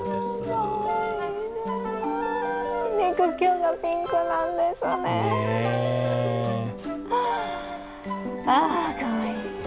あ、かわいい。